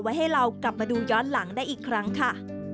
ให้เรากลับมาดูย้อนหลังได้อีกครั้งค่ะ